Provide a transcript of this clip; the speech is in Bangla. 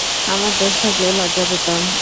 আমার দোষ থাকলে লজ্জা পেতাম।